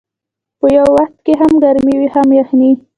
په یو وخت کې هم ګرمي وي هم یخني.